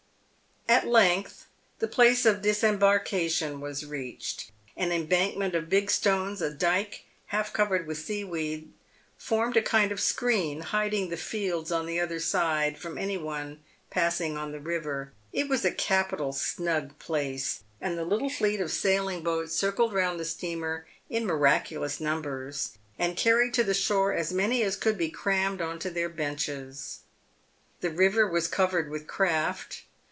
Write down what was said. At length the place of disembarkation was reached. An embank ment of big stones, a dyke half covered with sea weeds, formed a kind of screen, hiding the fields on the other side from any one passing on the river. It was a capital snug place ; and the little fleet of sailing boats circled round the steamer in miraculous numbers, and carried to the shore as many as could be crammed on to their benches. The river was covered with craft.